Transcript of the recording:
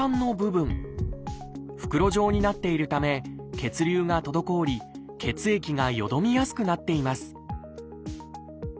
袋状になっているため血流が滞り血液がよどみやすくなっています